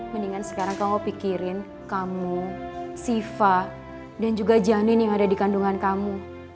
mendingan sekarang kamu pikirin kamu siva dan juga janin yang ada di kandungan kamu